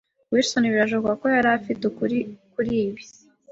Wilson birashoboka ko yari afite ukuri kuri ibi.